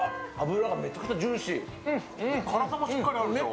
辛さもしっかりあるでしょ。